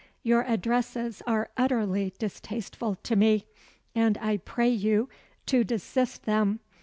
Your addresses are utterly distasteful to me, and I pray you to desist them.